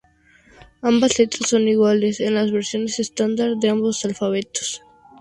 Ambas letras son iguales en las versiones estándar de ambos alfabetos.